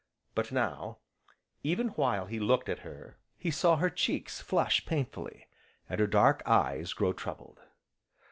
But now, even while he looked at her, he saw her cheeks flush painfully, and her dark eyes grow troubled.